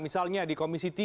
misalnya di komisi tiga